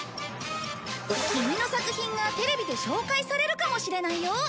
キミの作品がテレビで紹介されるかもしれないよ！